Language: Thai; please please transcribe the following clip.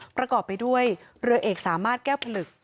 ประกอบไปด้วยเรือเอกสามารถแก้วผลึก